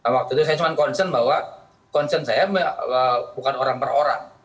waktu itu saya cuma concern bahwa concern saya bukan orang per orang